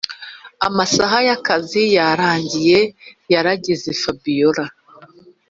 amasaha yakazi yararangiye yarageze fabiora